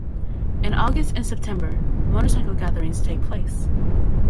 In August and September, motorcycle gatherings take place.